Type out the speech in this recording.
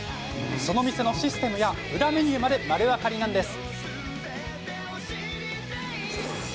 その店のシステムや裏メニューまで丸分かりなんです。